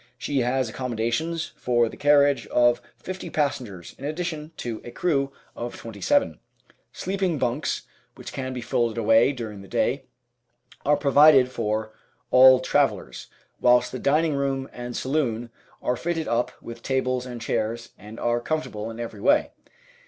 She has accommodations for the carriage of 50 passengers in addition to a crew of 27. Sleeping bunks, which can be folded away during the day, are provided for all travellers, whilst the dining room and saloon are fitted up with tables and chairs and are comfortable in every way.